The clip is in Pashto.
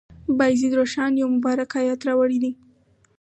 بایزید روښان یو مبارک آیت راوړی دی.